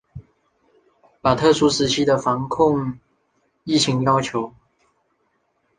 把特殊时期的防控疫情要求